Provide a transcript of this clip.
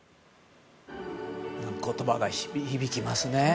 言葉が響きますよね。